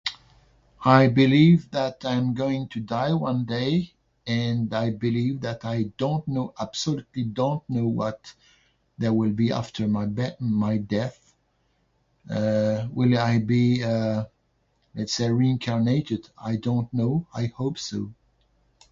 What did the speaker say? I believe that I'm going to die one day, and I believe that I don't know, absolutely don't know, what there will be after my bet- my death. Uh, will I be, uh, say reincarnated? I don't know. I hope so.